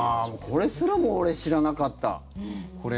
これすらも俺、知らなかった。